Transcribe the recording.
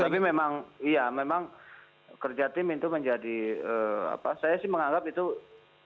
tapi memang iya memang kerja tim itu menjadi apa saya sih menganggap itu